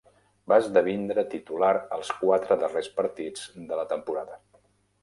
Va esdevindre titular als quatre darrers partits de la temporada.